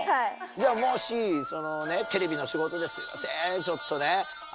じゃもしテレビの仕事ですいませんちょっとね。